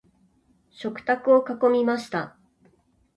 食卓を囲みました。